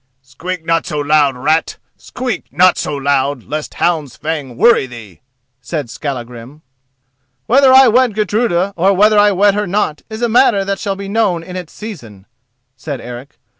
"Squeak not so loud, rat—squeak not so loud, lest hound's fang worry thee!" said Skallagrim. "Whether I wed Gudruda or whether I wed her not is a matter that shall be known in its season," said Eric.